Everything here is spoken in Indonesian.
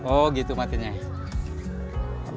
oh gitu matinya ya